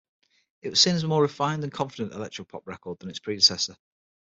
It was seen as a more refined and confident electropop record than its predecessor.